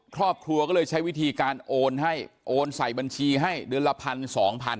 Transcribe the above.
ครอบครัวก็เลยใช้วิธีการโอนให้โอนใส่บัญชีให้เดือนละพันสองพัน